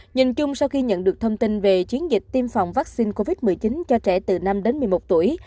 nhìn chung sau khi nhận được thông tin về chiến dịch tiêm phòng vaccine covid một mươi chín cho trẻ từ năm đến một mươi một tuổi